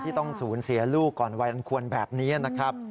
ต้องสูญเสียลูกก่อนวัยอันควรแบบนี้นะครับ